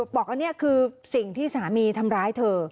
บอกว่านี่คือสิ่งที่สามีทำร้ายเธอ